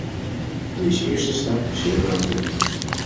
Deze eerste stap is zeer welkom.